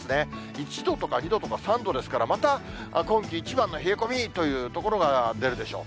１度とか２度とか３度ですから、また今季一番の冷え込みという所が出るでしょう。